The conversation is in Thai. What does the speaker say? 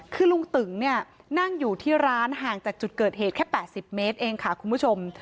คือลุงตึงเนี่ยนั่งอยู่ที่ร้านห่างจากจุดเกิดเหตุแค่๘๐เมตรเองค่ะคุณผู้ชม